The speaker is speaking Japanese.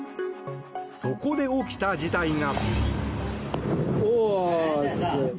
そこで起きた事態が。